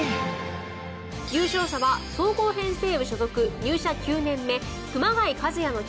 優勝者は総合編成部所属入社９年目熊谷和也の企画。